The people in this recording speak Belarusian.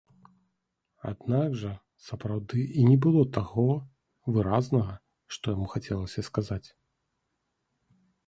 Аднак жа сапраўды і не было таго выразнага, што яму хацелася сказаць.